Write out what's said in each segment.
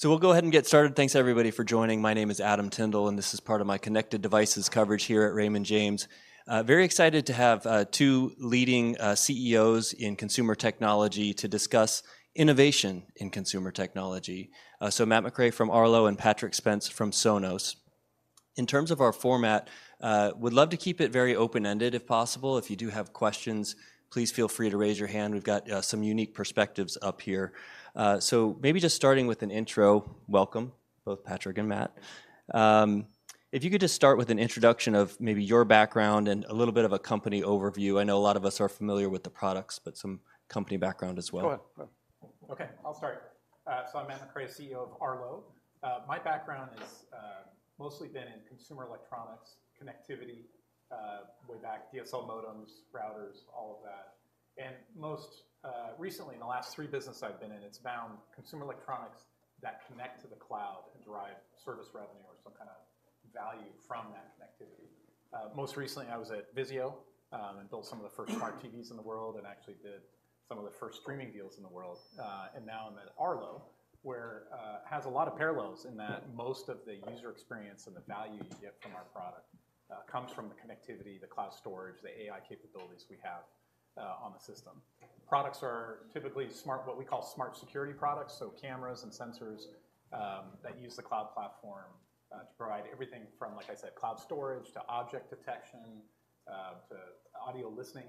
So we'll go ahead and get started. Thanks, everybody, for joining. My name is Adam Tindle, and this is part of my connected devices coverage here at Raymond James. Very excited to have two leading CEOs in consumer technology to discuss innovation in consumer technology. So Matt McRae from Arlo and Patrick Spence from Sonos. In terms of our format, would love to keep it very open-ended, if possible. If you do have questions, please feel free to raise your hand. We've got some unique perspectives up here. So maybe just starting with an intro. Welcome, both Patrick and Matt. If you could just start with an introduction of maybe your background and a little bit of a company overview. I know a lot of us are familiar with the products, but some company background as well. Go ahead. Go. Okay, I'll start. So I'm Matt McRae, CEO of Arlo. My background is mostly been in consumer electronics, connectivity, way back, DSL modems, routers, all of that. And most recently, in the last three business I've been in, it's been consumer electronics that connect to the cloud and drive service revenue or some kind of value from that connectivity. Most recently, I was at VIZIO, and built some of the first smart TVs in the world and actually did some of the first streaming deals in the world. And now I'm at Arlo, where has a lot of parallels in that most of the user experience and the value you get from our product comes from the connectivity, the cloud storage, the AI capabilities we have on the system. Products are typically smart—what we call smart security products, so cameras and sensors, that use the cloud platform, to provide everything from, like I said, cloud storage to object detection, to audio listening,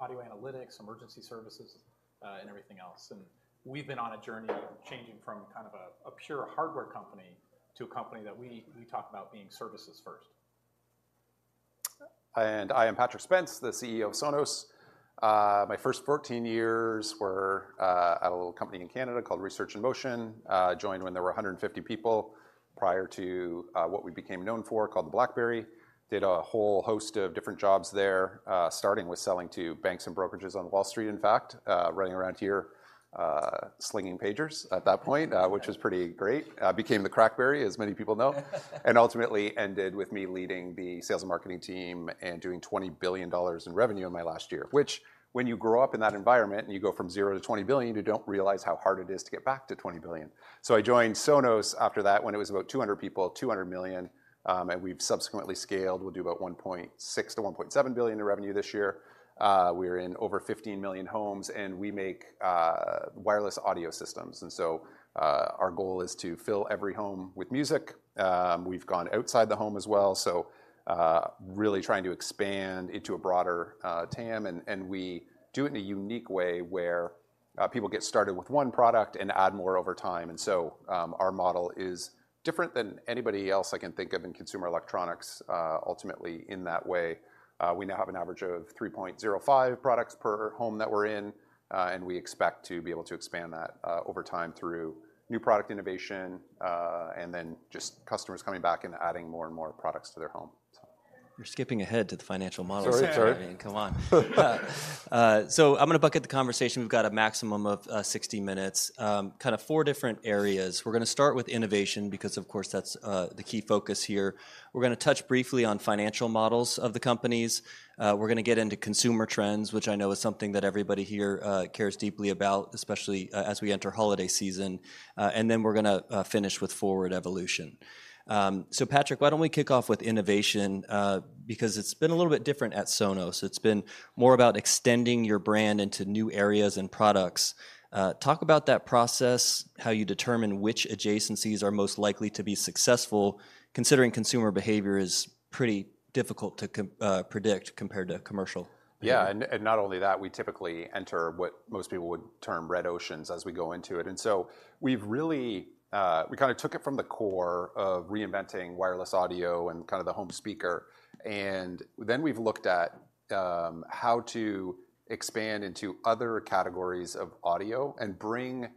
audio analytics, emergency services, and everything else. And we've been on a journey changing from kind of a pure hardware company to a company that we talk about being services first. I am Patrick Spence, the CEO of Sonos. My first 14 years were at a little company in Canada called Research In Motion. Joined when there were 150 people prior to what we became known for, called the BlackBerry. Did a whole host of different jobs there, starting with selling to banks and brokerages on Wall Street, in fact, running around here, slinging pagers at that point, which was pretty great. Became the CrackBerry, as many people know, and ultimately ended with me leading the sales and marketing team and doing $20 billion in revenue in my last year, which, when you grow up in that environment, and you go from zero to $20 billion, you don't realize how hard it is to get back to $20 billion. So I joined Sonos after that, when it was about 200 people, $200 million, and we've subsequently scaled. We'll do about $1.6 billion-$1.7 billion in revenue this year. We're in over 15 million homes, and we make wireless audio systems, and so our goal is to fill every home with music. We've gone outside the home as well, so really trying to expand into a broader TAM, and we do it in a unique way where people get started with one product and add more over time, and so our model is different than anybody else I can think of in consumer electronics, ultimately, in that way. We now have an average of 3.05 products per home that we're in, and we expect to be able to expand that over time through new product innovation, and then just customers coming back and adding more and more products to their home. So. You're skipping ahead to the financial model. Sorry, sorry. I mean, come on. So I'm gonna bucket the conversation. We've got a maximum of 60 minutes. Kind of four different areas. We're gonna start with innovation because, of course, that's the key focus here. We're gonna touch briefly on financial models of the companies. We're gonna get into consumer trends, which I know is something that everybody here cares deeply about, especially as we enter holiday season. And then we're gonna finish with forward evolution. So Patrick, why don't we kick off with innovation? Because it's been a little bit different at Sonos. It's been more about extending your brand into new areas and products. Talk about that process, how you determine which adjacencies are most likely to be successful, considering consumer behavior is pretty difficult to predict compared to commercial. Yeah, and not only that, we typically enter what most people would term red oceans as we go into it. And so we've really, we kind of took it from the core of reinventing wireless audio and kind of the home speaker, and then we've looked at how to expand into other categories of audio and bring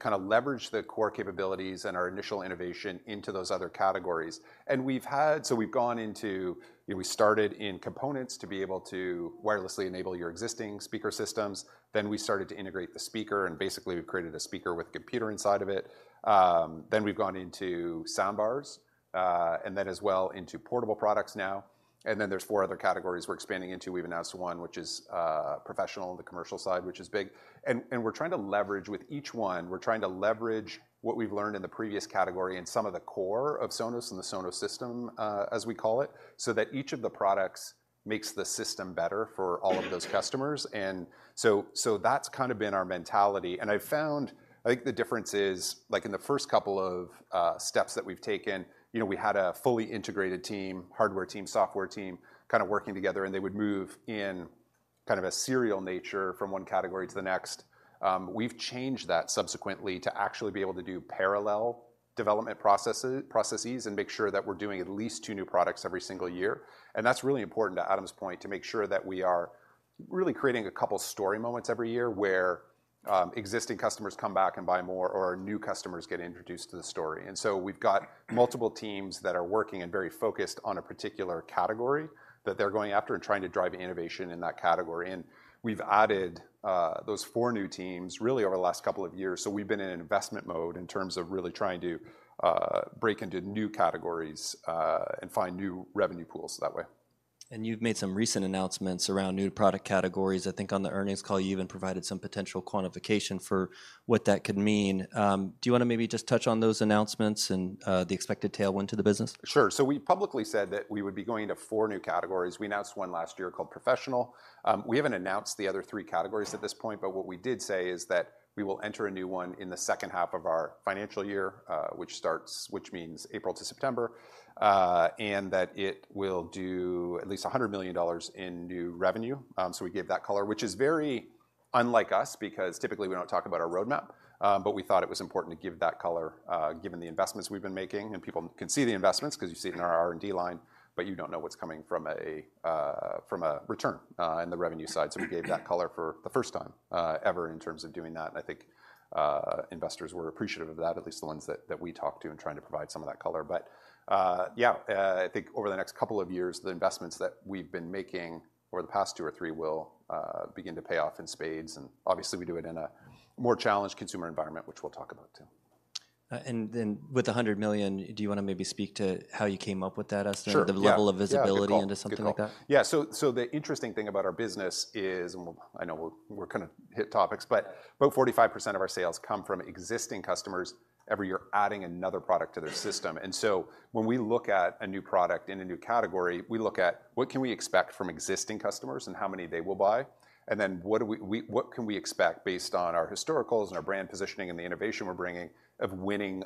kind of leverage the core capabilities and our initial innovation into those other categories. So we've gone into, you know, we started in components to be able to wirelessly enable your existing speaker systems. Then we started to integrate the speaker, and basically, we've created a speaker with a computer inside of it. Then we've gone into soundbars, and then as well into portable products now, and then there's four other categories we're expanding into. We've announced one, which is professional, the commercial side, which is big. And, and we're trying to leverage with each one, we're trying to leverage what we've learned in the previous category and some of the core of Sonos and the Sonos system, as we call it, so that each of the products makes the system better for all of those customers. And so, so that's kind of been our mentality, and I've found, I think the difference is, like in the first couple of steps that we've taken, you know, we had a fully integrated team, hardware team, software team, kind of working together, and they would move in kind of a serial nature from one category to the next. We've changed that subsequently to actually be able to do parallel development processes and make sure that we're doing at least two new products every single year. That's really important, to Adam's point, to make sure that we are really creating a couple story moments every year, where existing customers come back and buy more, or new customers get introduced to the story. So we've got multiple teams that are working and very focused on a particular category that they're going after and trying to drive innovation in that category. We've added those four new teams, really, over the last couple of years, so we've been in an investment mode in terms of really trying to break into new categories and find new revenue pools that way. ... You've made some recent announcements around new product categories. I think on the earnings call, you even provided some potential quantification for what that could mean. Do you wanna maybe just touch on those announcements and the expected tailwind to the business? Sure. So we publicly said that we would be going into four new categories. We announced one last year called Professional. We haven't announced the other three categories at this point, but what we did say is that we will enter a new one in the second half of our financial year, which means April to September, and that it will do at least $100 million in new revenue. So we gave that color, which is very unlike us, because typically, we don't talk about our roadmap. But we thought it was important to give that color, given the investments we've been making, and people can see the investments because you see it in our R&D line, but you don't know what's coming from a return in the revenue side. So we gave that color for the first time ever in terms of doing that, and I think investors were appreciative of that, at least the ones that we talked to, in trying to provide some of that color. But yeah, I think over the next couple of years, the investments that we've been making over the past 2 or 3 will begin to pay off in spades, and obviously, we do it in a more challenged consumer environment, which we'll talk about too. And then with the $100 million, do you wanna maybe speak to how you came up with that as- Sure, yeah the level of visibility into something like that? Good call. Yeah, so the interesting thing about our business is, and we'll—I know we're kinda hit topics, but about 45% of our sales come from existing customers every year, adding another product to their system. And so when we look at a new product in a new category, we look at what can we expect from existing customers and how many they will buy, and then what can we expect based on our historicals and our brand positioning and the innovation we're bringing of winning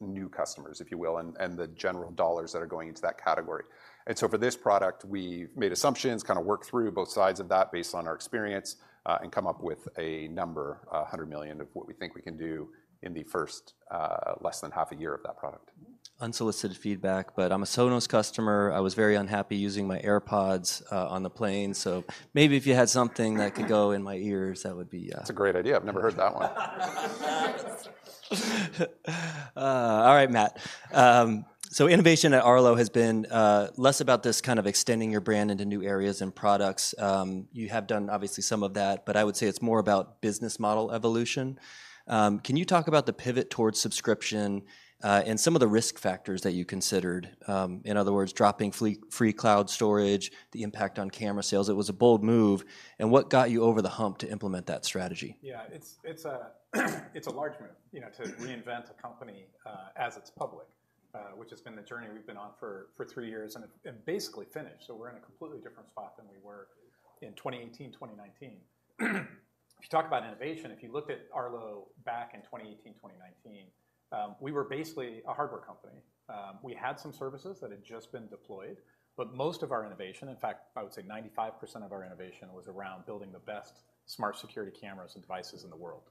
new customers, if you will, and the general dollars that are going into that category. For this product, we've made assumptions, kinda worked through both sides of that based on our experience, and come up with a number, $100 million, of what we think we can do in the first less than half a year of that product. Unsolicited feedback, but I'm a Sonos customer. I was very unhappy using my AirPods on the plane, so maybe if you had something that could go in my ears, that would be, That's a great idea. I've never heard that one. All right, Matt. So innovation at Arlo has been less about this kind of extending your brand into new areas and products. You have done obviously some of that, but I would say it's more about business model evolution. Can you talk about the pivot towards subscription, and some of the risk factors that you considered? In other words, dropping free cloud storage, the impact on camera sales. It was a bold move, and what got you over the hump to implement that strategy? Yeah, it's a large move, you know, to reinvent a company as it's public, which has been the journey we've been on for 3 years and basically finished. So we're in a completely different spot than we were in 2018, 2019. If you talk about innovation, if you looked at Arlo back in 2018, 2019, we were basically a hardware company. We had some services that had just been deployed, but most of our innovation, in fact, I would say 95% of our innovation was around building the best smart security cameras and devices in the world.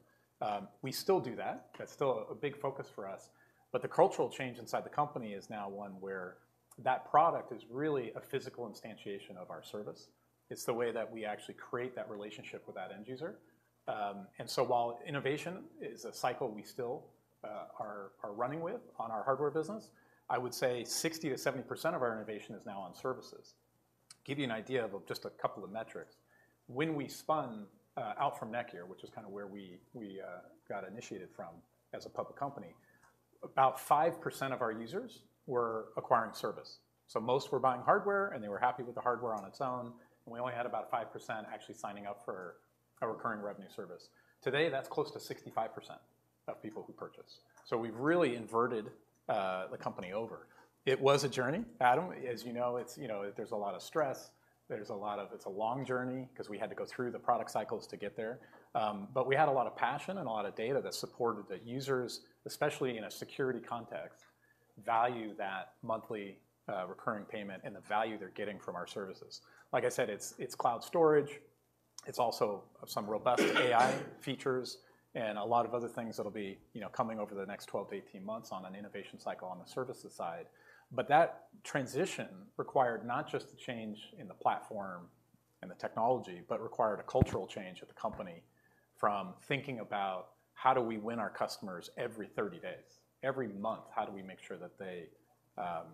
We still do that. That's still a big focus for us, but the cultural change inside the company is now one where that product is really a physical instantiation of our service. It's the way that we actually create that relationship with that end user. And so while innovation is a cycle we still are running with on our hardware business, I would say 60%-70% of our innovation is now on services. Give you an idea of just a couple of metrics. When we spun out from NETGEAR, which is kinda where we got initiated from as a public company, about 5% of our users were acquiring service. So most were buying hardware, and they were happy with the hardware on its own, and we only had about 5% actually signing up for a recurring revenue service. Today, that's close to 65% of people who purchase. So we've really inverted the company over. It was a journey, Adam. As you know, it's, you know, there's a lot of stress, there's a lot of... It's a long journey 'cause we had to go through the product cycles to get there. But we had a lot of passion and a lot of data that supported the users, especially in a security context, value that monthly recurring payment and the value they're getting from our services. Like I said, it's, it's cloud storage, it's also some robust AI features and a lot of other things that'll be, you know, coming over the next 12-18 months on an innovation cycle on the services side. But that transition required not just the change in the platform and the technology, but required a cultural change at the company from thinking about: How do we win our customers every 30 days? Every month, how do we make sure that they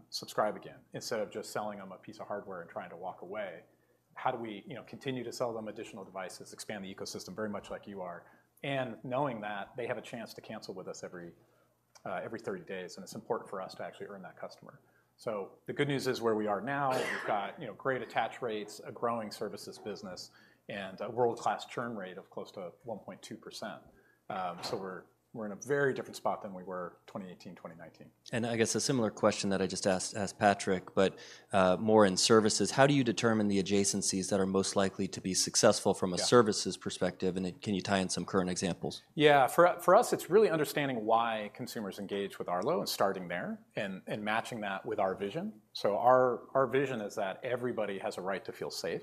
subscribe again? Instead of just selling them a piece of hardware and trying to walk away, how do we, you know, continue to sell them additional devices, expand the ecosystem very much like you are, and knowing that they have a chance to cancel with us every every 30 days, and it's important for us to actually earn that customer. So the good news is, where we are now, we've got, you know, great attach rates, a growing services business, and a world-class churn rate of close to 1.2%. So we're, we're in a very different spot than we were 2018, 2019. I guess a similar question that I just asked Patrick, but, more in services: How do you determine the adjacencies that are most likely to be successful from- Yeah a services perspective, and then can you tie in some current examples? Yeah. For us, it's really understanding why consumers engage with Arlo and starting there and matching that with our vision. So our vision is that everybody has a right to feel safe,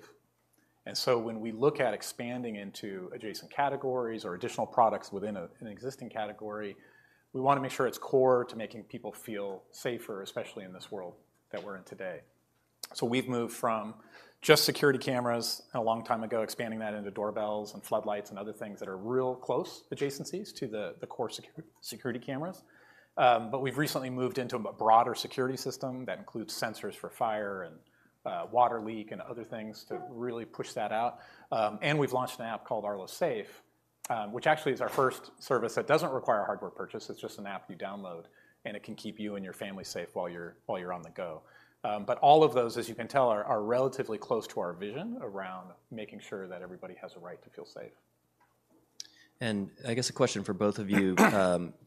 and so when we look at expanding into adjacent categories or additional products within an existing category, we wanna make sure it's core to making people feel safer, especially in this world that we're in today. So we've moved from just security cameras a long time ago, expanding that into doorbells and floodlights and other things that are real close adjacencies to the core security cameras. But we've recently moved into a broader security system that includes sensors for fire and water leak and other things to really push that out. And we've launched an app called Arlo Safe-... which actually is our first service that doesn't require a hardware purchase. It's just an app you download, and it can keep you and your family safe while you're on the go. But all of those, as you can tell, are relatively close to our vision around making sure that everybody has a right to feel safe. I guess a question for both of you. You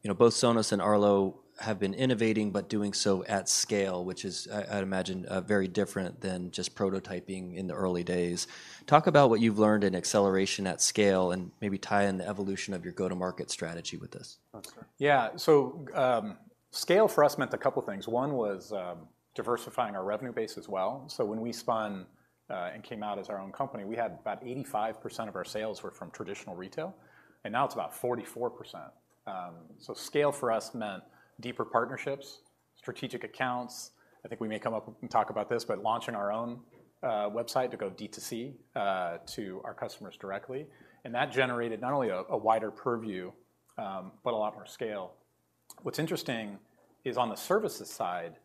know, both Sonos and Arlo have been innovating but doing so at scale, which is, I'd imagine, very different than just prototyping in the early days. Talk about what you've learned in acceleration at scale, and maybe tie in the evolution of your go-to-market strategy with this. Oh, sure. Yeah, so scale for us meant a couple of things. One was diversifying our revenue base as well. So when we spun and came out as our own company, we had about 85% of our sales were from traditional retail, and now it's about 44%. So scale for us meant deeper partnerships, strategic accounts. I think we may come up and talk about this, but launching our own website to go D2C to our customers directly, and that generated not only a wider purview, but a lot more scale. What's interesting is on the services side,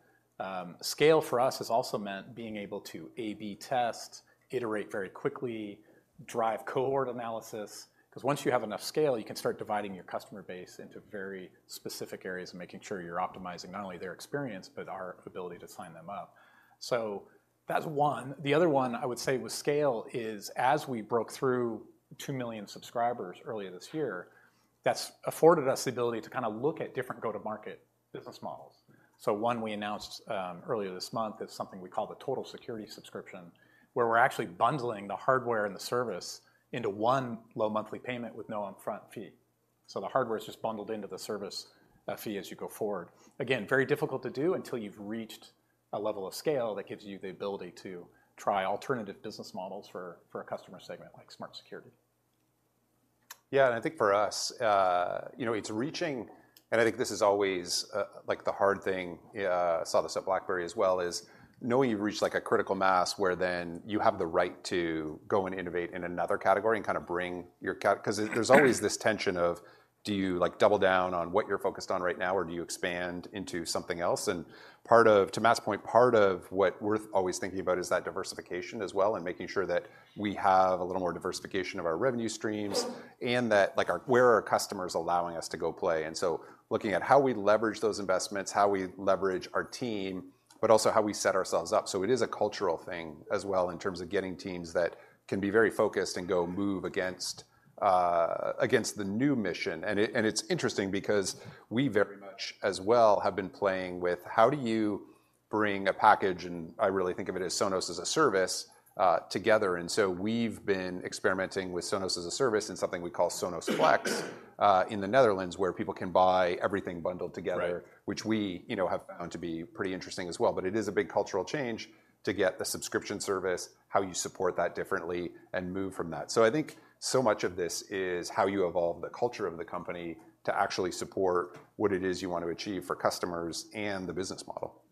scale for us has also meant being able to A/B test, iterate very quickly, drive cohort analysis, 'cause once you have enough scale, you can start dividing your customer base into very specific areas and making sure you're optimizing not only their experience, but our ability to sign them up. So that's one. The other one I would say with scale is, as we broke through 2 million subscribers earlier this year, that's afforded us the ability to kind of look at different go-to-market business models. So one we announced earlier this month is something we call the Total Security subscription, where we're actually bundling the hardware and the service into one low monthly payment with no upfront fee. So the hardware is just bundled into the service fee as you go forward. Again, very difficult to do until you've reached a level of scale that gives you the ability to try alternative business models for a customer segment like smart security. Yeah, and I think for us, you know, it's reaching, and I think this is always, like the hard thing, I saw this at BlackBerry as well, is knowing you've reached like a critical mass, where then you have the right to go and innovate in another category 'cause there, there's always this tension of, do you like double down on what you're focused on right now, or do you expand into something else? And to Matt's point, part of what we're always thinking about is that diversification as well, and making sure that we have a little more diversification of our revenue streams, and that, like our, where are our customers allowing us to go play? And so looking at how we leverage those investments, how we leverage our team, but also how we set ourselves up. So it is a cultural thing as well in terms of getting teams that can be very focused and go move against, against the new mission. And it, and it's interesting because we very much, as well, have been playing with how do you bring a package, and I really think of it as Sonos as a service, together? And so we've been experimenting with Sonos as a service in something we call Sonos Flex, in the Netherlands, where people can buy everything bundled together- Right... which we, you know, have found to be pretty interesting as well. But it is a big cultural change to get the subscription service, how you support that differently, and move from that. So I think so much of this is how you evolve the culture of the company to actually support what it is you want to achieve for customers and the business model.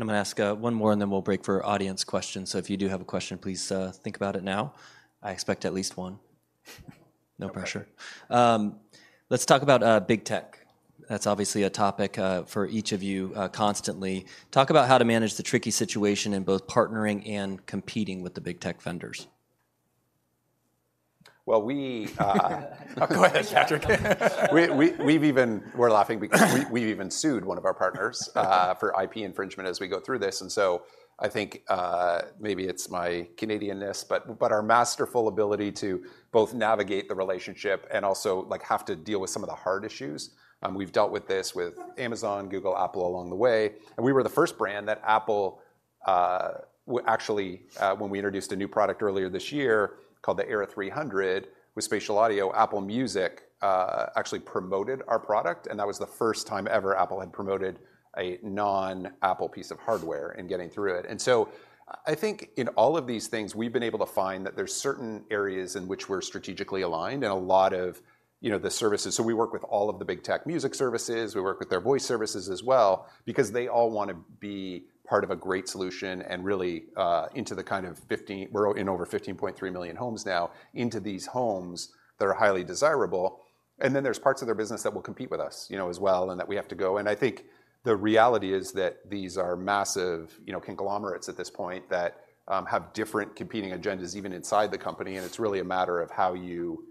I'm gonna ask one more, and then we'll break for audience questions. If you do have a question, please think about it now. I expect at least one. No pressure. Let's talk about big tech. That's obviously a topic for each of you constantly. Talk about how to manage the tricky situation in both partnering and competing with the big tech vendors. Well, we... Go ahead, Patrick. We're laughing because we've even sued one of our partners for IP infringement as we go through this. I think maybe it's my Canadian-ness, but our masterful ability to both navigate the relationship and also, like, have to deal with some of the hard issues. We've dealt with this with Amazon, Google, Apple along the way, and we were the first brand that Apple actually, when we introduced a new product earlier this year called the Era 300, with Spatial Audio, Apple Music actually promoted our product, and that was the first time ever Apple had promoted a non-Apple piece of hardware in getting through it. And so I think in all of these things, we've been able to find that there's certain areas in which we're strategically aligned, and a lot of, you know, the services. So we work with all of the big tech music services, we work with their voice services as well, because they all want to be part of a great solution and really into the kind of 15... We're in over 15.3 million homes now, into these homes that are highly desirable, and then there's parts of their business that will compete with us, you know, as well, and that we have to go. I think the reality is that these are massive, you know, conglomerates at this point that, have different competing agendas, even inside the company, and it's really a matter of how you,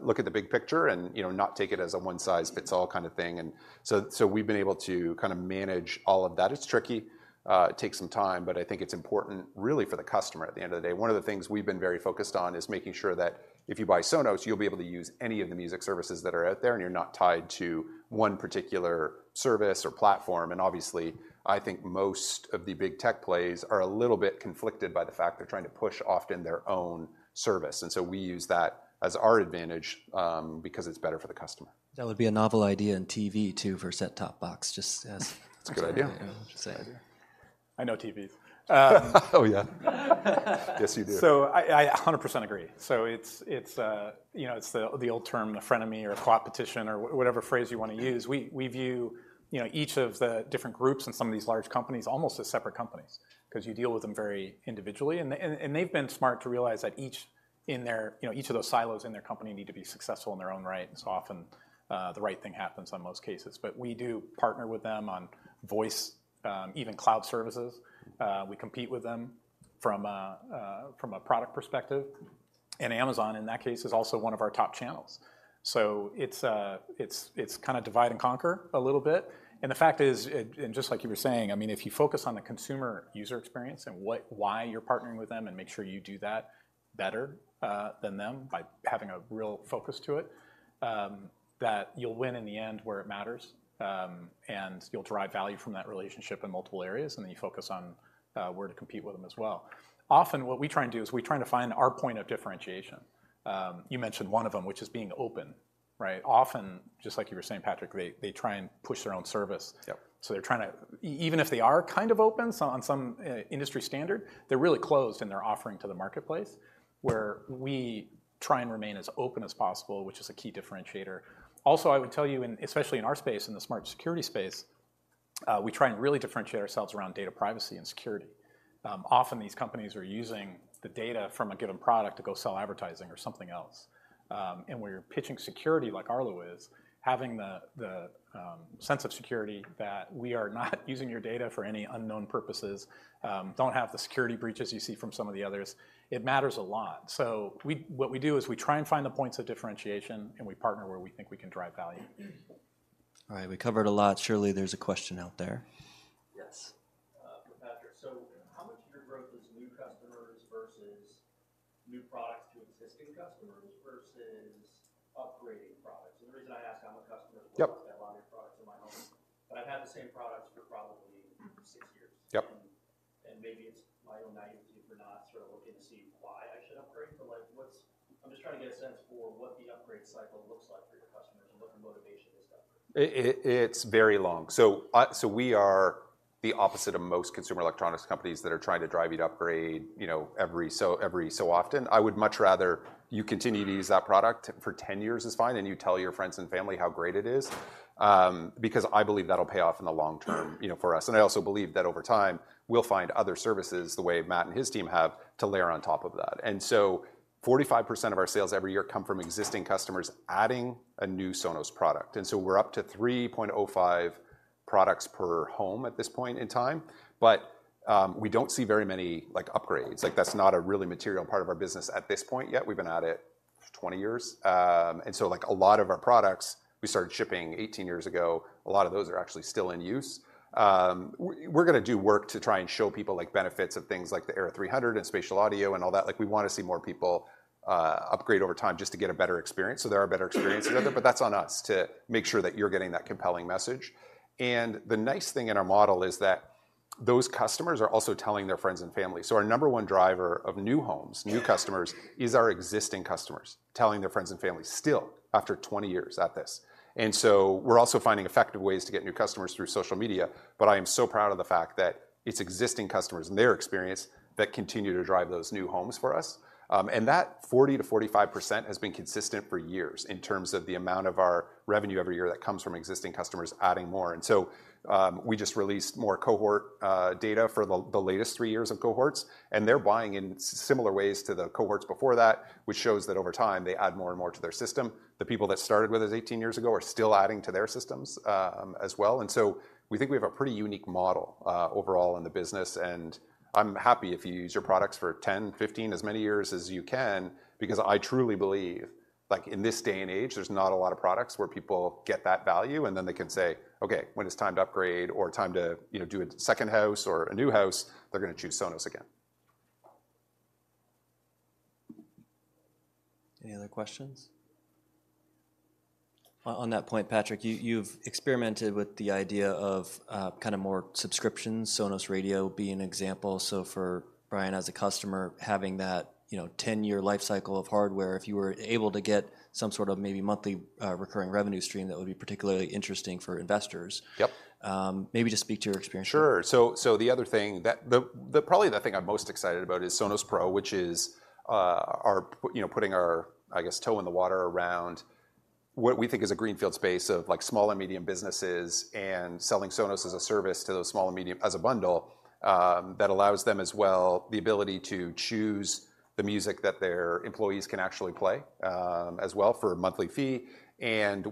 look at the big picture and, you know, not take it as a one-size-fits-all kind of thing. So we've been able to kind of manage all of that. It's tricky, it takes some time, but I think it's important really for the customer at the end of the day. One of the things we've been very focused on is making sure that if you buy Sonos, you'll be able to use any of the music services that are out there, and you're not tied to one particular service or platform. Obviously, I think most of the big tech plays are a little bit conflicted by the fact they're trying to push often their own service. So we use that as our advantage, because it's better for the customer. That would be a novel idea in TV, too, for set-top box, just as- That's a good idea. Say. I know TVs. Oh, yeah. Yes, you do. So I 100% agree. So it's, you know, it's the old term, a frenemy, or a competition, or whatever phrase you wanna use. We view, you know, each of the different groups in some of these large companies almost as separate companies, 'cause you deal with them very individually, and they've been smart to realize that each in their... You know, each of those silos in their company need to be successful in their own right, and so often the right thing happens on most cases. But we do partner with them on voice, even cloud services. We compete with them from a product perspective. And Amazon, in that case, is also one of our top channels. So it's kinda divide and conquer a little bit. And the fact is, and just like you were saying, I mean, if you focus on the consumer user experience and why you're partnering with them, and make sure you do that better, than them by having a real focus to it, that you'll win in the end where it matters. And you'll derive value from that relationship in multiple areas, and then you focus on, where to compete with them as well. Often, what we try and do is we try to find our point of differentiation. You mentioned one of them, which is being open, right? Often, just like you were saying, Patrick, they, they try and push their own service. Yep. So they're trying to even if they are kind of open, so on some industry standard, they're really closed in their offering to the marketplace, where we try and remain as open as possible, which is a key differentiator. Also, I would tell you especially in our space, in the smart security space, we try and really differentiate ourselves around data privacy and security. Often these companies are using the data from a given product to go sell advertising or something else. And when you're pitching security, like Arlo is, having the sense of security that we are not using your data for any unknown purposes, don't have the security breaches you see from some of the others, it matters a lot. So what we do is we try and find the points of differentiation, and we partner where we think we can drive value. All right, we covered a lot. Surely, there's a question out there. Yes. For Patrick: So how much of your growth is new customers versus new products to existing customers versus upgrading products? And the reason I ask, I'm a customer- Yep... I've got a lot of your products in my home, but I've had the same products for probably six years. Yep. Maybe it's my own naivety for not sort of looking to see why I should upgrade, but, like, I'm just trying to get a sense for what the upgrade cycle looks like for your customers and what the motivation is to upgrade. It's very long. So we are the opposite of most consumer electronics companies that are trying to drive you to upgrade, you know, every so often. I would much rather you continue to use that product for 10 years is fine, and you tell your friends and family how great it is, because I believe that'll pay off in the long term, you know, for us. And I also believe that over time, we'll find other services, the way Matt and his team have, to layer on top of that. And so 45% of our sales every year come from existing customers adding a new Sonos product. And so we're up to 3.05 products per home at this point in time, but we don't see very many, like, upgrades. Like, that's not a really material part of our business at this point yet. We've been at it for 20 years. And so, like, a lot of our products, we started shipping 18 years ago, a lot of those are actually still in use. We're gonna do work to try and show people like benefits of things like the Era 300 and Spatial Audio and all that. Like, we wanna see more people upgrade over time just to get a better experience. So there are better experiences out there, but that's on us to make sure that you're getting that compelling message. And the nice thing in our model is that those customers are also telling their friends and family. So our number one driver of new homes, new customers, is our existing customers telling their friends and family, still, after 20 years at this. And so we're also finding effective ways to get new customers through social media, but I am so proud of the fact that it's existing customers and their experience that continue to drive those new homes for us. And that 40%-45% has been consistent for years in terms of the amount of our revenue every year that comes from existing customers adding more. And so we just released more cohort data for the latest three years of cohorts, and they're buying in similar ways to the cohorts before that, which shows that over time, they add more and more to their system. The people that started with us eighteen years ago are still adding to their systems as well. We think we have a pretty unique model overall in the business, and I'm happy if you use your products for 10, 15, as many years as you can, because I truly believe, like, in this day and age, there's not a lot of products where people get that value, and then they can say, "Okay, when it's time to upgrade or time to, you know, do a second house or a new house, they're gonna choose Sonos again." Any other questions? On that point, Patrick, you've experimented with the idea of kinda more subscriptions, Sonos Radio being an example. So for Brian, as a customer, having that, you know, 10-year life cycle of hardware, if you were able to get some sort of maybe monthly recurring revenue stream, that would be particularly interesting for investors. Yep. Maybe just speak to your experience. Sure. So, the other thing, probably the thing I'm most excited about is Sonos Pro, which is, our—you know, putting our, I guess, toe in the water around what we think is a greenfield space of, like, small and medium businesses, and selling Sonos as a service to those small and medium—as a bundle, that allows them as well, the ability to choose the music that their employees can actually play, as well, for a monthly fee. And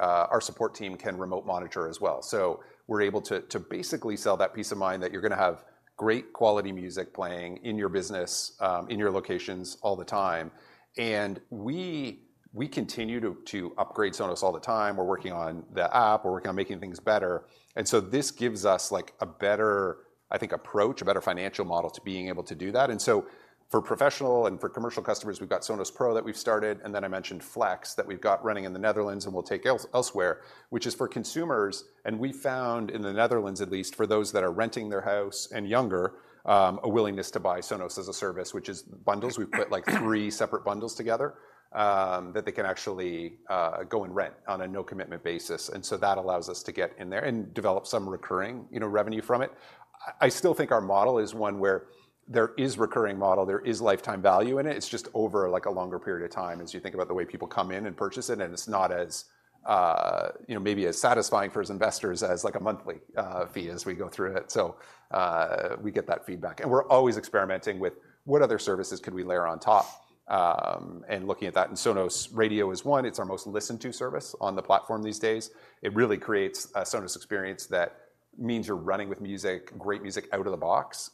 our support team can remote monitor as well. So we're able to basically sell that peace of mind that you're gonna have great quality music playing in your business, in your locations all the time. And we continue to upgrade Sonos all the time. We're working on the app, we're working on making things better, and so this gives us like a better, I think, approach, a better financial model to being able to do that. And so for professional and for commercial customers, we've got Sonos Pro that we've started, and then I mentioned Flex, that we've got running in the Netherlands, and we'll take it elsewhere, which is for consumers. And we found in the Netherlands, at least, for those that are renting their house and younger, a willingness to buy Sonos as a service, which is bundles. We've put, like, 3 separate bundles together, that they can actually go and rent on a no-commitment basis, and so that allows us to get in there and develop some recurring, you know, revenue from it. I still think our model is one where there is recurring model, there is lifetime value in it. It's just over, like, a longer period of time as you think about the way people come in and purchase it, and it's not as, you know, maybe as satisfying for investors as like a monthly fee as we go through it. So, we get that feedback. And we're always experimenting with what other services could we layer on top, and looking at that, and Sonos Radio is one. It's our most listened-to service on the platform these days. It really creates a Sonos experience that means you're running with music, great music out of the box,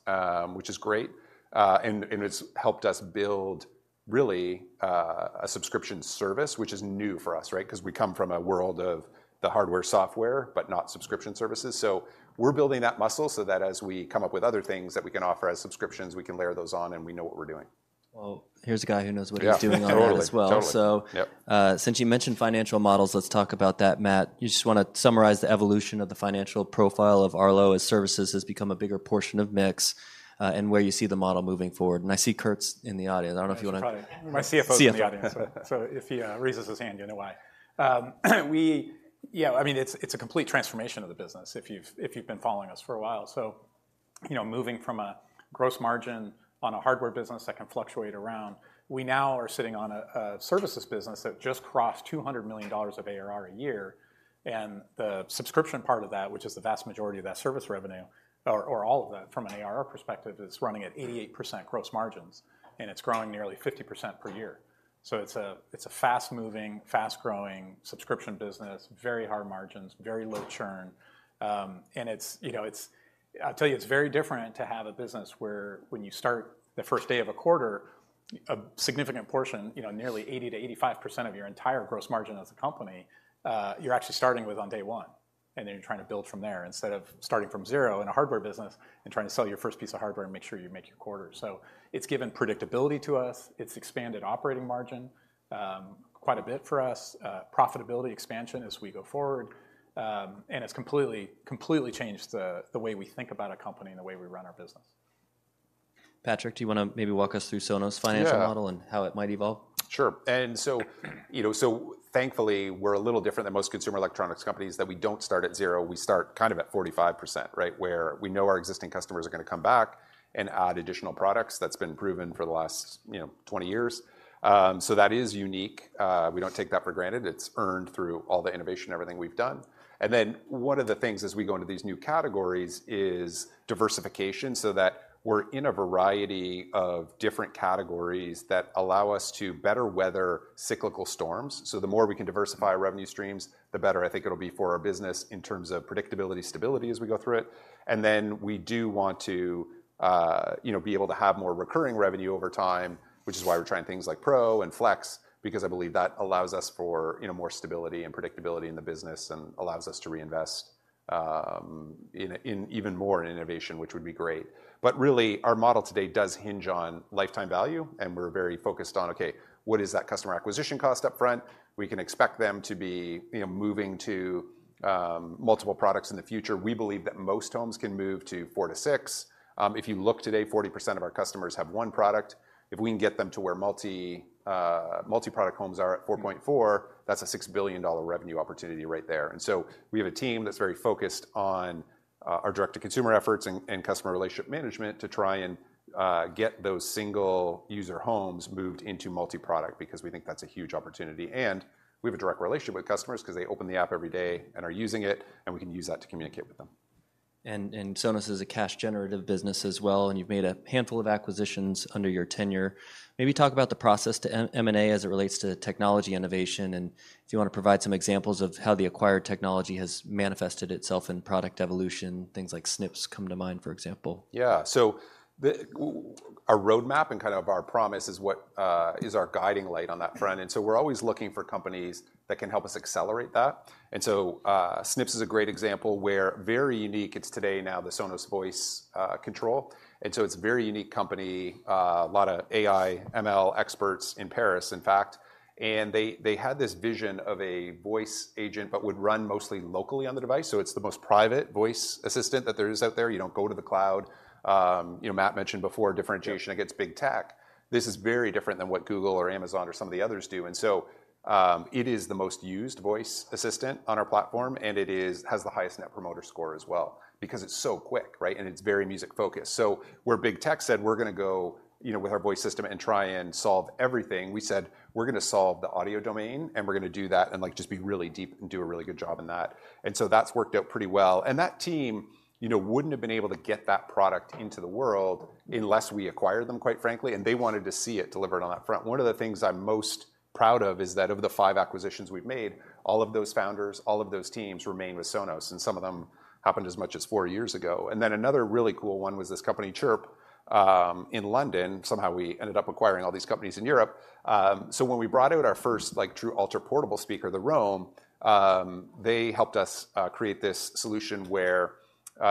which is great. And it's helped us build really a subscription service, which is new for us, right? 'Cause we come from a world of the hardware, software, but not subscription services. So we're building that muscle so that as we come up with other things that we can offer as subscriptions, we can layer those on, and we know what we're doing. Well, here's a guy who knows what he's doing- Yeah. on that as well. Totally. Yep. Since you mentioned financial models, let's talk about that, Matt. You just wanna summarize the evolution of the financial profile of Arlo as services has become a bigger portion of mix, and where you see the model moving forward. I see Kurt's in the audience. I don't know if you wanna- My CFO is in the audience. So if he raises his hand, you know why. Yeah, I mean, it's, it's a complete transformation of the business if you've, if you've been following us for a while. So, you know, moving from a gross margin on a hardware business that can fluctuate around, we now are sitting on a, a services business that just crossed $200 million of ARR a year, and the subscription part of that, which is the vast majority of that service revenue, or, or all of that from an ARR perspective, is running at 88% gross margins, and it's growing nearly 50% per year. So it's a, it's a fast-moving, fast-growing subscription business, very high margins, very low churn. And it's, you know, it's—I'll tell you, it's very different to have a business where when you start the first day of a quarter, a significant portion, you know, nearly 80%-85% of your entire gross margin as a company, you're actually starting with on day one, and then you're trying to build from there, instead of starting from zero in a hardware business and trying to sell your first piece of hardware and make sure you make your quarter. So it's given predictability to us. It's expanded operating margin quite a bit for us, profitability expansion as we go forward. And it's completely, completely changed the way we think about a company and the way we run our business. Patrick, do you wanna maybe walk us through Sonos' financial model? Yeah. and how it might evolve? Sure. So, you know, thankfully, we're a little different than most consumer electronics companies, that we don't start at zero, we start kind of at 45%, right? Where we know our existing customers are gonna come back and add additional products that's been proven for the last, you know, 20 years. So that is unique. We don't take that for granted. It's earned through all the innovation, everything we've done. And then one of the things as we go into these new categories is diversification, so that we're in a variety of different categories that allow us to better weather cyclical storms. So the more we can diversify our revenue streams, the better I think it'll be for our business in terms of predictability, stability as we go through it. And then we do want to, you know, be able to have more recurring revenue over time, which is why we're trying things like Pro and Flex, because I believe that allows us for, you know, more stability and predictability in the business and allows us to reinvest in even more in innovation, which would be great. But really, our model today does hinge on lifetime value, and we're very focused on, okay, what is that customer acquisition cost up front? We can expect them to be, you know, moving to multiple products in the future. We believe that most homes can move to 4-6. If you look today, 40% of our customers have one product. If we can get them to where multi-product homes are at 4.4, that's a $6 billion revenue opportunity right there. So we have a team that's very focused on our direct-to-consumer efforts and customer relationship management to try and get those single-user homes moved into multi-product, because we think that's a huge opportunity, and we have a direct relationship with customers 'cause they open the app every day and are using it, and we can use that to communicate with them. Sonos is a cash-generative business as well, and you've made a handful of acquisitions under your tenure. Maybe talk about the process to M&A as it relates to technology innovation, and if you wanna provide some examples of how the acquired technology has manifested itself in product evolution, things like Snips come to mind, for example. Yeah. So our roadmap and kind of our promise is what is our guiding light on that front, and so we're always looking for companies that can help us accelerate that. And so, Snips is a great example, where very unique, it's today now the Sonos Voice Control. And so it's a very unique company, a lot of AI, ML experts in Paris, in fact, and they, they had this vision of a voice agent, but would run mostly locally on the device, so it's the most private voice assistant that there is out there. You don't go to the cloud. You know, Matt mentioned before, differentiation against big tech. This is very different than what Google or Amazon or some of the others do. And so, it is the most used voice assistant on our platform, and it has the highest Net Promoter Score as well because it's so quick, right? And it's very music-focused. So where big tech said, "We're gonna go, you know, with our voice system and try and solve everything," we said: We're gonna solve the audio domain, and we're gonna do that and, like, just be really deep and do a really good job in that. And so that's worked out pretty well. And that team, you know, wouldn't have been able to get that product into the world unless we acquired them, quite frankly, and they wanted to see it delivered on that front. One of the things I'm most proud of is that of the five acquisitions we've made, all of those founders, all of those teams remain with Sonos, and some of them happened as much as four years ago. And then another really cool one was this company, Chirp, in London. Somehow, we ended up acquiring all these companies in Europe. So when we brought out our first, like, true ultra-portable speaker, the Roam, they helped us create this solution where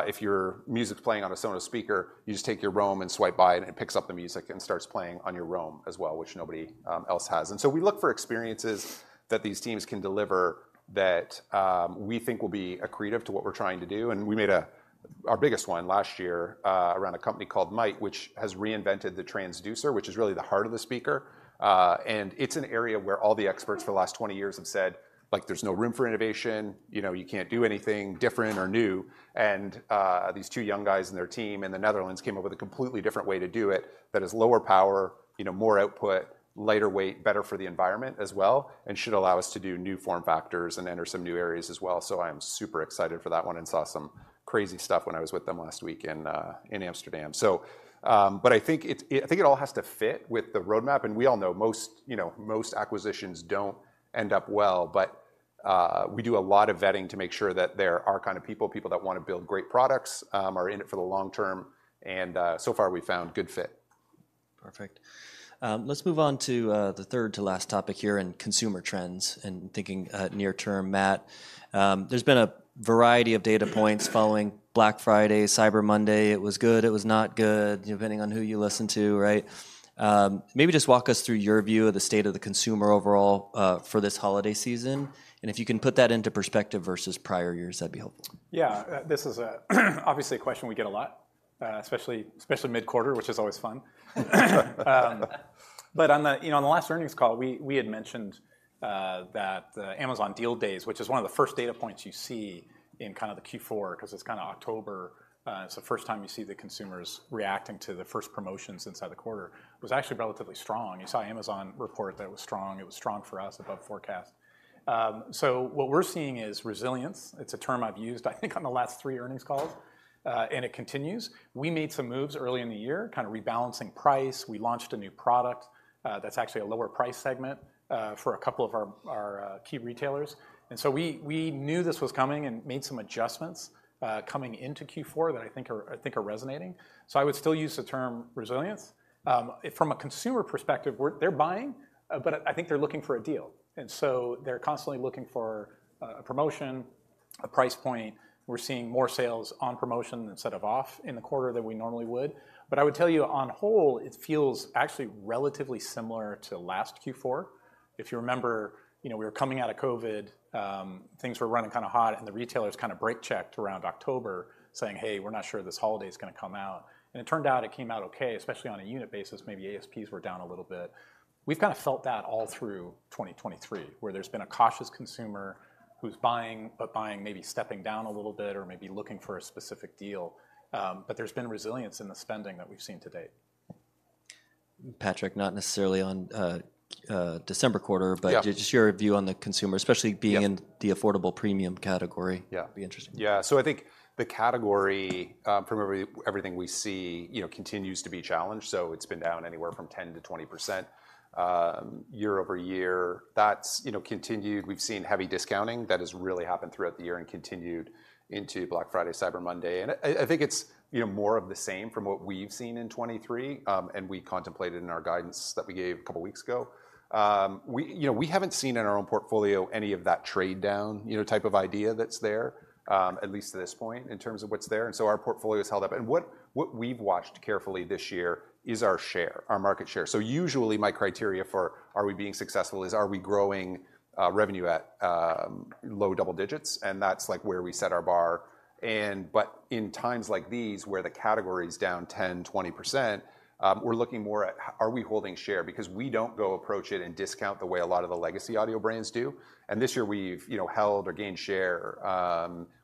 if your music's playing on a Sonos speaker, you just take your Roam and swipe by it, and it picks up the music and starts playing on your Roam as well, which nobody else has. So we look for experiences that these teams can deliver that, we think will be accretive to what we're trying to do, and we made our biggest one last year, around a company called Mayht, which has reinvented the transducer, which is really the heart of the speaker. And it's an area where all the experts for the last 20 years have said, like: "There's no room for innovation, you know, you can't do anything different or new." And these two young guys and their team in the Netherlands came up with a completely different way to do it that is lower power, you know, more output, lighter weight, better for the environment as well, and should allow us to do new form factors and enter some new areas as well. So I'm super excited for that one and saw some crazy stuff when I was with them last week in Amsterdam. So, but I think it's I think it all has to fit with the roadmap, and we all know most, you know, most acquisitions don't end up well, but we do a lot of vetting to make sure that there are kind of people that wanna build great products, are in it for the long term, and so far, we've found good fit. Perfect. Let's move on to the third to last topic here in consumer trends and thinking, near term, Matt. There's been a variety of data points following Black Friday, Cyber Monday. It was good, it was not good, depending on who you listen to, right? Maybe just walk us through your view of the state of the consumer overall, for this holiday season. If you can put that into perspective versus prior years, that'd be helpful. Yeah, this is obviously a question we get a lot, especially mid-quarter, which is always fun. But on the, you know, on the last earnings call, we had mentioned that the Amazon Deal Days, which is one of the first data points you see in kinda the Q4, 'cause it's kinda October, it's the first time you see the consumers reacting to the first promotions inside the quarter, was actually relatively strong. You saw Amazon report that it was strong. It was strong for us above forecast. So what we're seeing is resilience. It's a term I've used, I think, on the last three earnings calls, and it continues. We made some moves early in the year, kinda rebalancing price. We launched a new product that's actually a lower price segment for a couple of our key retailers. And so we knew this was coming and made some adjustments coming into Q4 that I think are resonating. So I would still use the term resilience. From a consumer perspective, we're-- they're buying, but I think they're looking for a deal, and so they're constantly looking for a promotion, a price point. We're seeing more sales on promotion instead of off in the quarter than we normally would. But I would tell you, on whole, it feels actually relatively similar to last Q4. If you remember, you know, we were coming out of COVID, things were running kinda hot, and the retailers kinda brake-checked around October, saying: Hey, we're not sure this holiday is gonna come out. It turned out it came out okay, especially on a unit basis, maybe ASPs were down a little bit. We've kinda felt that all through 2023, where there's been a cautious consumer who's buying, but buying, maybe stepping down a little bit or maybe looking for a specific deal. But there's been resilience in the spending that we've seen to date. Patrick, not necessarily on, December quarter- Yeah. but just your view on the consumer, especially Yeah being in the affordable premium category. Yeah. It'd be interesting. Yeah. So I think the category, from everything we see, you know, continues to be challenged, so it's been down anywhere from 10%-20%, year-over-year. That's, you know, continued. We've seen heavy discounting. That has really happened throughout the year and continued into Black Friday, Cyber Monday. And I think it's, you know, more of the same from what we've seen in 2023, and we contemplated in our guidance that we gave a couple of weeks ago. We, you know, we haven't seen in our own portfolio any of that trade down, you know, type of idea that's there, at least to this point, in terms of what's there, and so our portfolio has held up. And what we've watched carefully this year is our share, our market share. So usually, my criteria for are we being successful is are we growing revenue at low double digits? And that's, like, where we set our bar. And but in times like these, where the category is down 10%-20%, we're looking more at are we holding share? Because we don't go approach it and discount the way a lot of the legacy audio brands do. And this year we've, you know, held or gained share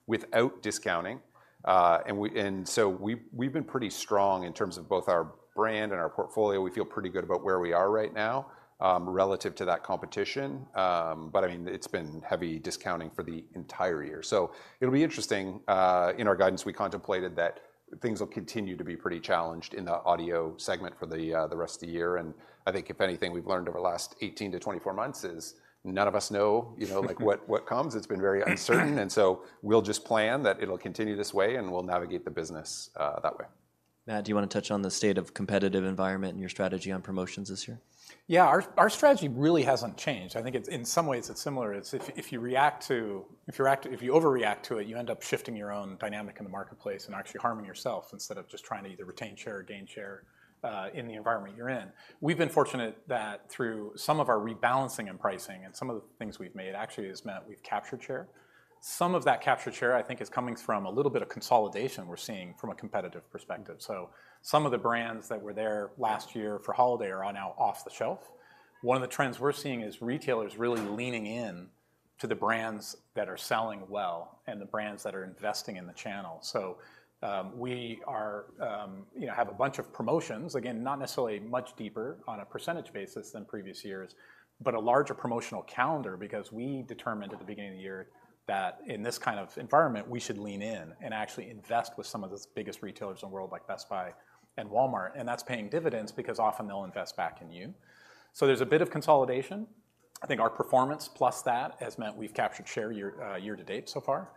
without discounting. And so we've, we've been pretty strong in terms of both our brand and our portfolio. We feel pretty good about where we are right now relative to that competition. But, I mean, it's been heavy discounting for the entire year. So it'll be interesting in our guidance, we contemplated that things will continue to be pretty challenged in the audio segment for the rest of the year. And I think if anything, we've learned over the last 18-24 months is none of us know, you know, like, what comes. It's been very uncertain, and so we'll just plan that it'll continue this way, and we'll navigate the business that way. Matt, do you wanna touch on the state of competitive environment and your strategy on promotions this year? Yeah. Our strategy really hasn't changed. I think it's... In some ways, it's similar. It's if you overreact to it, you end up shifting your own dynamic in the marketplace and actually harming yourself instead of just trying to either retain share or gain share in the environment you're in. We've been fortunate that through some of our rebalancing and pricing, and some of the things we've made actually has meant we've captured share. Some of that captured share, I think, is coming from a little bit of consolidation we're seeing from a competitive perspective. So some of the brands that were there last year for holiday are now off the shelf. One of the trends we're seeing is retailers really leaning in to the brands that are selling well and the brands that are investing in the channel. So, we are, you know, have a bunch of promotions, again, not necessarily much deeper on a percentage basis than previous years, but a larger promotional calendar, because we determined at the beginning of the year that in this kind of environment, we should lean in and actually invest with some of the biggest retailers in the world, like Best Buy and Walmart, and that's paying dividends because often they'll invest back in you. So there's a bit of consolidation. I think our performance plus that has meant we've captured share year-over-year to date so far,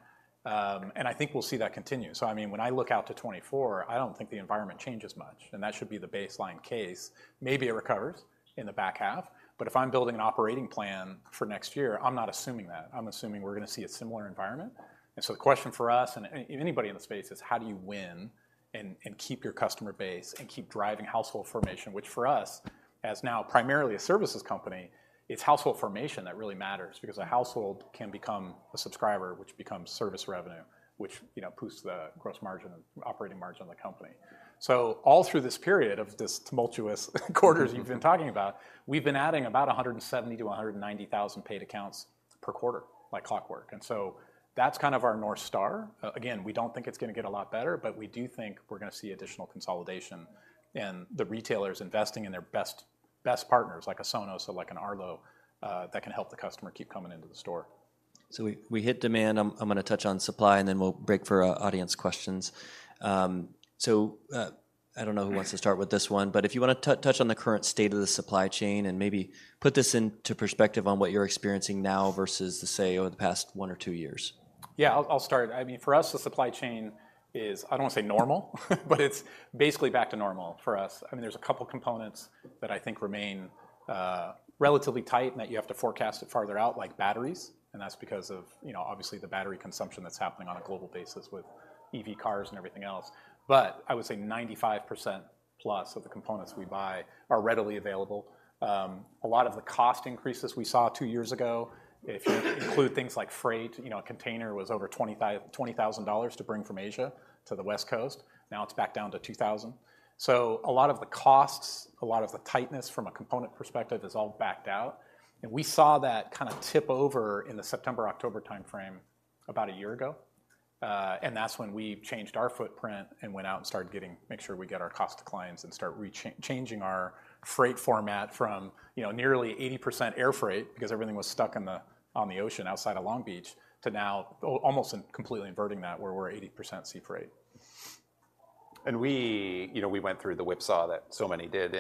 and I think we'll see that continue. So I mean, when I look out to 2024, I don't think the environment changes much, and that should be the baseline case. Maybe it recovers in the back half, but if I'm building an operating plan for next year, I'm not assuming that. I'm assuming we're gonna see a similar environment. So the question for us and anybody in the space is: How do you win and keep your customer base and keep driving household formation? Which for us, as now primarily a services company, it's household formation that really matters, because a household can become a subscriber, which becomes service revenue, which, you know, boosts the gross margin and operating margin of the company. So all through this period of this tumultuous quarters you've been talking about, we've been adding about 170,000-190,000 paid accounts per quarter, like clockwork, and so that's kind of our North Star. Again, we don't think it's gonna get a lot better, but we do think we're gonna see additional consolidation and the retailers investing in their best, best partners, like a Sonos or like an Arlo, that can help the customer keep coming into the store. ... So we hit demand. I'm gonna touch on supply, and then we'll break for audience questions. I don't know who wants to start with this one, but if you wanna touch on the current state of the supply chain and maybe put this into perspective on what you're experiencing now versus, say, over the past one or two years. Yeah, I'll, I'll start. I mean, for us, the supply chain is, I don't wanna say normal, but it's basically back to normal for us. I mean, there's a couple components that I think remain relatively tight and that you have to forecast it farther out, like batteries, and that's because of, you know, obviously, the battery consumption that's happening on a global basis with EV cars and everything else. But I would say 95%+ of the components we buy are readily available. A lot of the cost increases we saw two years ago, if you include things like freight, you know, a container was over $20,000 to bring from Asia to the West Coast, now it's back down to $2,000. So a lot of the costs, a lot of the tightness from a component perspective is all backed out, and we saw that kinda tip over in the September-October timeframe about a year ago. And that's when we changed our footprint and went out and started to make sure we get our cost to clients and start changing our freight format from, you know, nearly 80% air freight, because everything was stuck on the ocean outside of Long Beach, to now almost completely inverting that, where we're 80% sea freight. We, you know, we went through the whipsaw that so many did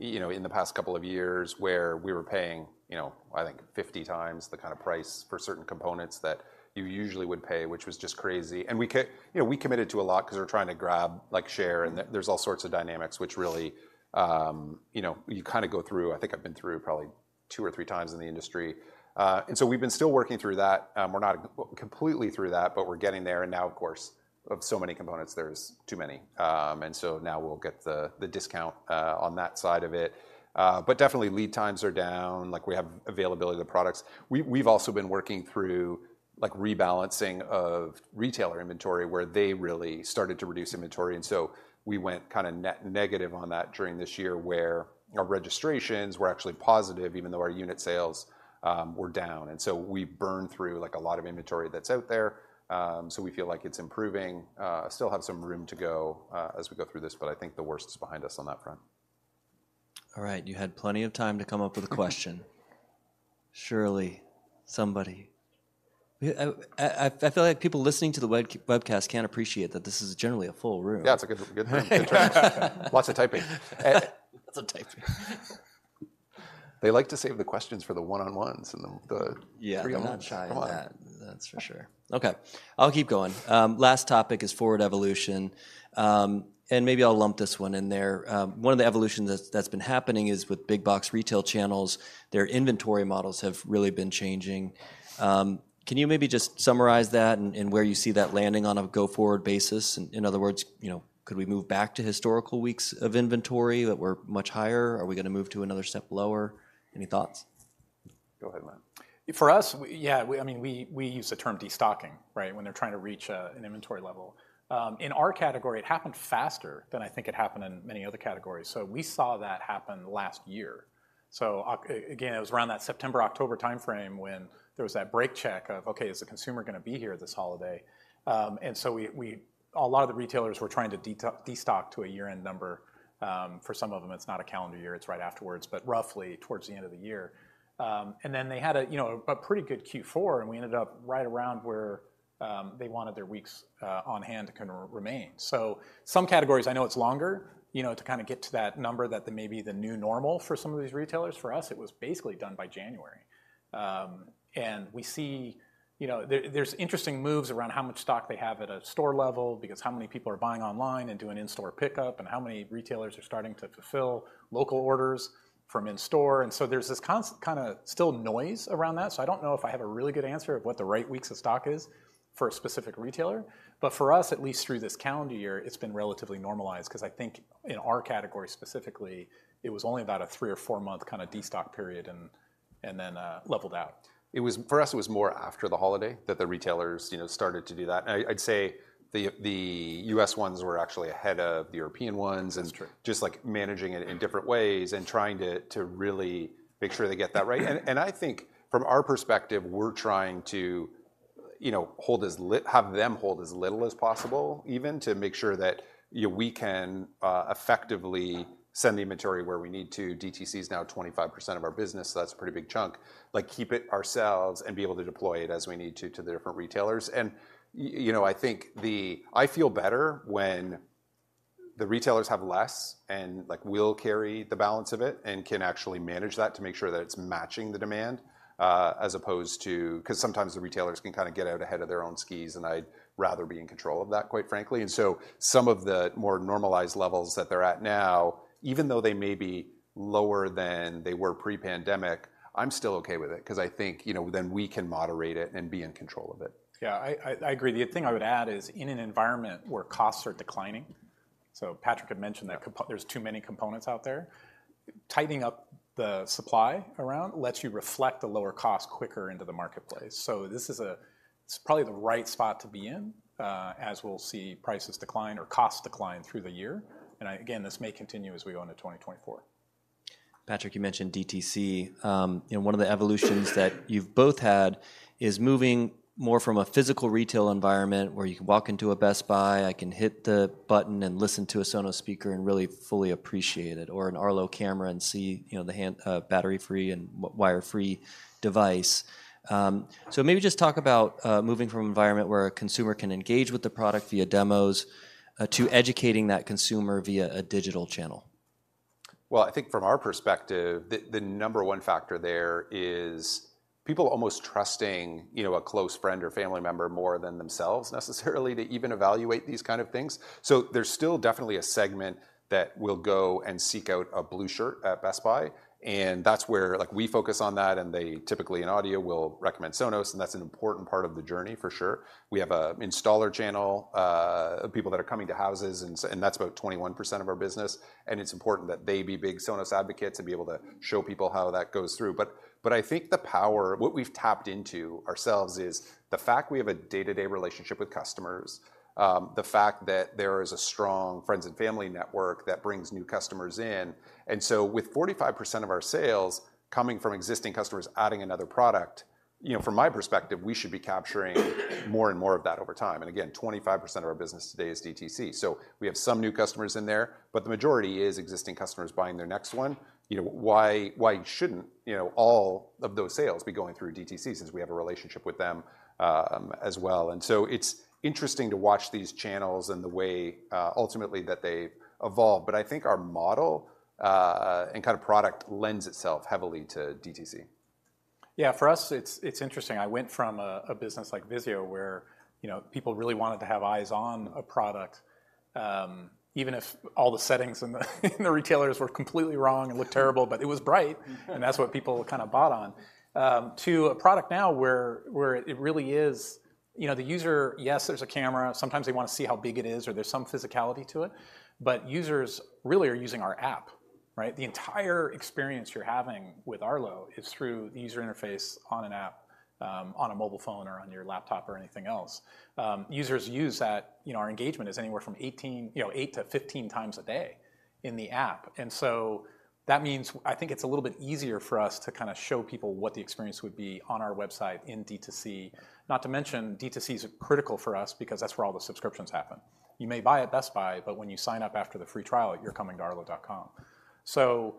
in, you know, in the past couple of years, where we were paying, you know, I think 50 times the kind of price for certain components that you usually would pay, which was just crazy. You know, we committed to a lot 'cause we're trying to grab, like, share, and there's all sorts of dynamics, which really, you know, you kinda go through. I think I've been through probably two or three times in the industry. And so we've been still working through that. We're not completely through that, but we're getting there. And now, of course, so many components, there's too many. And so now we'll get the discount on that side of it. But definitely lead times are down, like, we have availability of the products. We've also been working through, like, rebalancing of retailer inventory, where they really started to reduce inventory, and so we went kinda negative on that during this year, where our registrations were actually positive, even though our unit sales were down. So we burned through, like, a lot of inventory that's out there, so we feel like it's improving. Still have some room to go, as we go through this, but I think the worst is behind us on that front. All right. You had plenty of time to come up with a question. Surely, somebody... I feel like people listening to the webcast can't appreciate that this is generally a full room. Yeah, it's a good, a good room. Lots of typing. Lots of typing. They like to save the questions for the one-on-ones and the, yeah, free ones. They're not shy on that, that's for sure. Okay, I'll keep going. Last topic is forward evolution, and maybe I'll lump this one in there. One of the evolution that's, that's been happening is with big box retail channels, their inventory models have really been changing. Can you maybe just summarize that and, and where you see that landing on a go-forward basis? In, in other words, you know, could we move back to historical weeks of inventory that were much higher? Are we gonna move to another step lower? Any thoughts? Go ahead, man. For us, we... Yeah, we- I mean, we use the term destocking, right? When they're trying to reach an inventory level. In our category, it happened faster than I think it happened in many other categories. So we saw that happen last year. So again, it was around that September-October timeframe when there was that brake check of, "Okay, is the consumer gonna be here this holiday?" And so we... A lot of the retailers were trying to destock to a year-end number. For some of them, it's not a calendar year, it's right afterwards, but roughly towards the end of the year. And then they had a, you know, a pretty good Q4, and we ended up right around where they wanted their weeks on hand to kinda remain. So some categories, I know it's longer, you know, to kinda get to that number that maybe the new normal for some of these retailers. For us, it was basically done by January. And we see you know, there, there's interesting moves around how much stock they have at a store level, because how many people are buying online and doing in-store pickup, and how many retailers are starting to fulfill local orders from in-store. And so there's this kind of still noise around that, so I don't know if I have a really good answer of what the right weeks of stock is for a specific retailer. But for us, at least through this calendar year, it's been relatively normalized, 'cause I think in our category specifically, it was only about a 3- or 4-month kinda destock period and then leveled out. It was for us, it was more after the holiday that the retailers, you know, started to do that. I'd say the U.S. ones were actually ahead of the European ones. That's true... just like managing it in different ways and trying to really make sure they get that right. I think from our perspective, we're trying to, you know, have them hold as little as possible, even to make sure that, you know, we can effectively send the inventory where we need to. DTC is now 25% of our business, so that's a pretty big chunk. Like, keep it ourselves and be able to deploy it as we need to, to the different retailers. You know, I think I feel better when the retailers have less, and, like, we'll carry the balance of it and can actually manage that to make sure that it's matching the demand, as opposed to... 'Cause sometimes the retailers can kinda get out ahead of their own skis, and I'd rather be in control of that, quite frankly. Some of the more normalized levels that they're at now, even though they may be lower than they were pre-pandemic, I'm still okay with it, 'cause I think, you know, then we can moderate it and be in control of it. Yeah, I agree. The thing I would add is, in an environment where costs are declining, so Patrick had mentioned that there's too many components out there, tightening up the supply around lets you reflect the lower cost quicker into the marketplace. So it's probably the right spot to be in, as we'll see prices decline or costs decline through the year. And again, this may continue as we go into 2024.... Patrick, you mentioned DTC. And one of the evolutions that you've both had is moving more from a physical retail environment, where you can walk into a Best Buy, I can hit the button and listen to a Sonos speaker and really fully appreciate it, or an Arlo camera and see, you know, the hand battery-free and wire-free device. So maybe just talk about moving from an environment where a consumer can engage with the product via demos to educating that consumer via a digital channel. Well, I think from our perspective, the number one factor there is people almost trusting, you know, a close friend or family member more than themselves necessarily, to even evaluate these kind of things. So there's still definitely a segment that will go and seek out a blue shirt at Best Buy, and that's where, like, we focus on that, and they typically, in audio, will recommend Sonos, and that's an important part of the journey for sure. We have a installer channel of people that are coming to houses, and that's about 21% of our business, and it's important that they be big Sonos advocates and be able to show people how that goes through. But I think the power... What we've tapped into ourselves is the fact we have a day-to-day relationship with customers, the fact that there is a strong friends and family network that brings new customers in. And so with 45% of our sales coming from existing customers adding another product, you know, from my perspective, we should be capturing more and more of that over time. And again, 25% of our business today is DTC. So we have some new customers in there, but the majority is existing customers buying their next one. You know, why, why shouldn't, you know, all of those sales be going through DTC since we have a relationship with them, as well? And so it's interesting to watch these channels and the way, ultimately, that they evolve. But I think our model, and kind of product lends itself heavily to DTC. Yeah, for us, it's interesting. I went from a business like VIZIO where, you know, people really wanted to have eyes on a product, even if all the settings and the retailers were completely wrong and looked terrible, but it was bright, and that's what people kind of bought on. To a product now, where it really is... You know, the user, yes, there's a camera. Sometimes they want to see how big it is, or there's some physicality to it, but users really are using our app, right? The entire experience you're having with Arlo is through the user interface on an app, on a mobile phone or on your laptop or anything else. Users use that, you know, our engagement is anywhere from 18, you know, 8 to 15 times a day in the app. So that means, I think it's a little bit easier for us to kind of show people what the experience would be on our website in DTC. Not to mention, DTC is critical for us because that's where all the subscriptions happen. You may buy at Best Buy, but when you sign up after the free trial, you're coming to Arlo.com. So,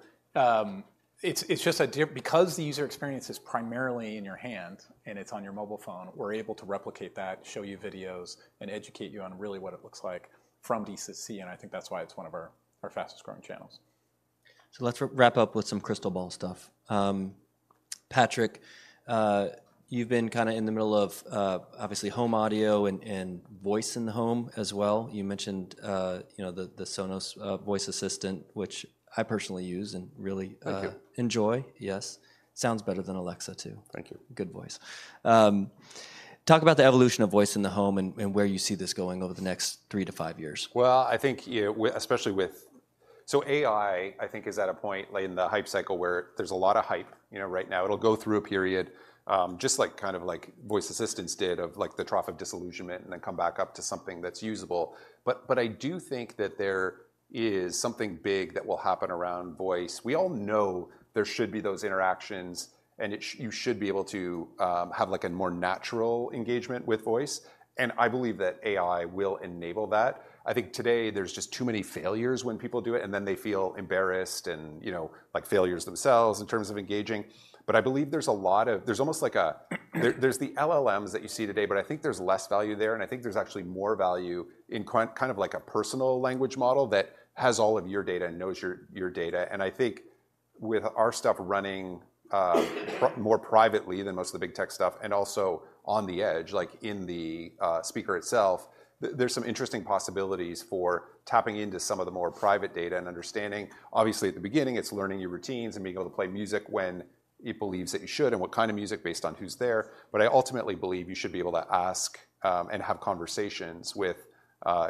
it's just because the user experience is primarily in your hand, and it's on your mobile phone, we're able to replicate that, show you videos, and educate you on really what it looks like from DTC, and I think that's why it's one of our fastest growing channels. So let's wrap up with some crystal ball stuff. Patrick, you've been kind of in the middle of, obviously, home audio and, and voice in the home as well. You mentioned, you know, the Sonos voice assistant, which I personally use and really- Thank you. Enjoy. Yes. Sounds better than Alexa, too. Thank you. Good voice. Talk about the evolution of voice in the home and, and where you see this going over the next 3-5 years. Well, I think, yeah, especially with... So AI, I think, is at a point late in the Hype Cycle where there's a lot of hype, you know, right now. It'll go through a period, just like kind of like voice assistants did of, like, the Trough of Disillusionment, and then come back up to something that's usable. But I do think that there is something big that will happen around voice. We all know there should be those interactions, and you should be able to have, like, a more natural engagement with voice, and I believe that AI will enable that. I think today there's just too many failures when people do it, and then they feel embarrassed and, you know, like failures themselves in terms of engaging. But I believe there's a lot of- there's almost like a... There's the LLMs that you see today, but I think there's less value there, and I think there's actually more value in kind of like a personal language model that has all of your data and knows your, your data. And I think with our stuff running more privately than most of the big tech stuff, and also on the edge, like in the speaker itself, there's some interesting possibilities for tapping into some of the more private data and understanding. Obviously, at the beginning, it's learning your routines and being able to play music when it believes that you should and what kind of music based on who's there. But I ultimately believe you should be able to ask, and have conversations with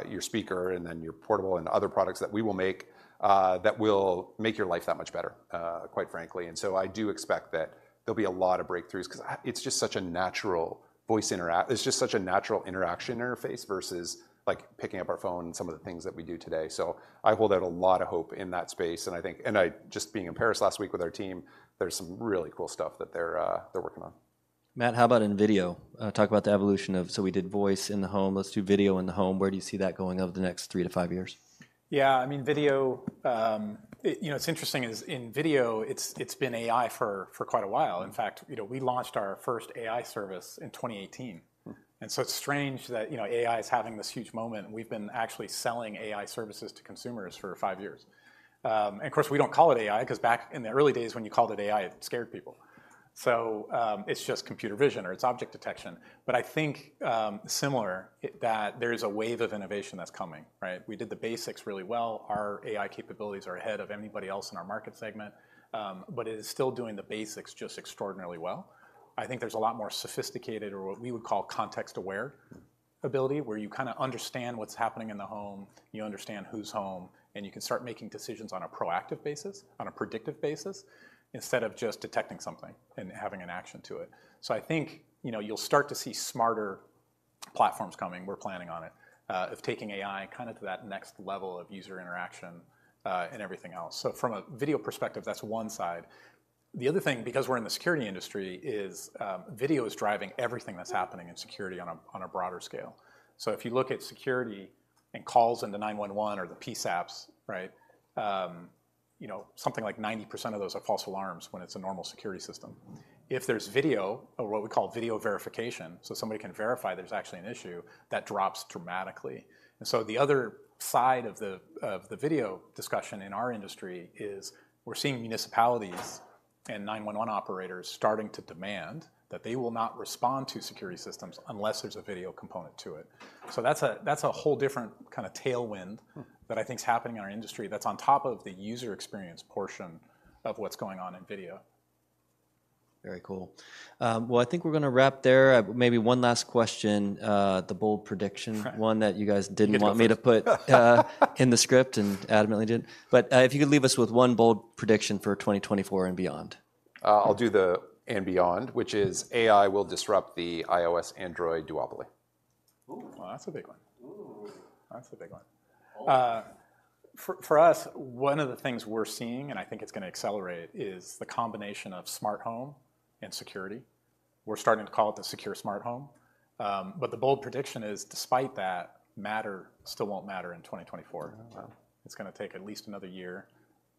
your speaker and then your portable and other products that we will make that will make your life that much better, quite frankly. And so I do expect that there'll be a lot of breakthroughs 'cause it's just such a natural interaction interface versus, like, picking up our phone and some of the things that we do today. So I hold out a lot of hope in that space, and I think... And I, just being in Paris last week with our team, there's some really cool stuff that they're working on. Matt, how about in video? Talk about the evolution of... So we did voice in the home, let's do video in the home. Where do you see that going over the next 3-5 years? Yeah, I mean, video, you know, what's interesting is, in video, it's been AI for quite a while. In fact, you know, we launched our first AI service in 2018. Mm. So it's strange that, you know, AI is having this huge moment, and we've been actually selling AI services to consumers for five years. Of course, we don't call it AI, 'cause back in the early days, when you called it AI, it scared people. So, it's just computer vision, or it's object detection. But I think that there is a wave of innovation that's coming, right? We did the basics really well. Our AI capabilities are ahead of anybody else in our market segment. But it is still doing the basics just extraordinarily well. I think there's a lot more sophisticated or what we would call context-aware ability, where you kind of understand what's happening in the home, you understand who's home, and you can start making decisions on a proactive basis, on a predictive basis, instead of just detecting something and having an action to it. So I think, you know, you'll start to see smarter platforms coming. We're planning on it, of taking AI kind of to that next level of user interaction, and everything else. So from a video perspective, that's one side. The other thing, because we're in the security industry, is, video is driving everything that's happening in security on a broader scale. So if you look at security and calls into 911 or the PSAPs, right? You know, something like 90% of those are false alarms when it's a normal security system. If there's video or what we call video verification, so somebody can verify there's actually an issue, that drops dramatically. And so the other side of the, of the video discussion in our industry is we're seeing municipalities and 911 operators starting to demand that they will not respond to security systems unless there's a video component to it. So that's a, that's a whole different kind of tailwind- Hmm... that I think is happening in our industry, that's on top of the user experience portion of what's going on in video. Very cool. Well, I think we're gonna wrap there. Maybe one last question, the bold prediction- Right... one that you guys didn't- You go first.... want me to put in the script and adamantly didn't. But, if you could leave us with one bold prediction for 2024 and beyond? I'll do the and beyond, which is: AI will disrupt the iOS, Android duopoly. Ooh! Well, that's a big one. Ooh. That's a big one. Oh. For us, one of the things we're seeing, and I think it's gonna accelerate, is the combination of smart home and security. We're starting to call it the Secure Smart Home. But the bold prediction is, despite that, Matter still won't matter in 2024. Oh, wow. It's gonna take at least another year,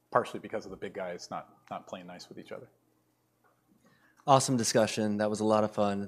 partially because of the big guys not playing nice with each other. Awesome discussion. That was a lot of fun.